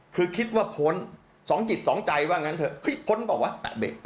คือคิดว่าพ้นสองจิตสองใจว่างั้นเถอะพ้นบอกว่าแตะเบรก